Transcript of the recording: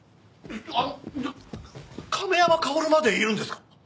あの亀山薫までいるんですか！？